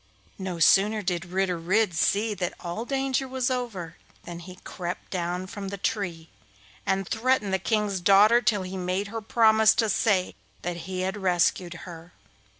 No sooner did Ritter Red see that all danger was over than he crept down from the tree, and threatened the King's daughter till he made her promise to say that he had rescued her.